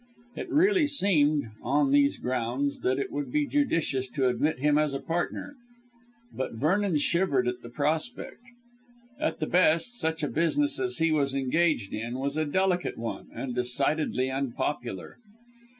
It really seemed, on these grounds, that it would be judicious to admit him as a partner. But Vernon shivered at the prospect. At the best, such a business as he was engaged in, was a delicate one and decidedly unpopular.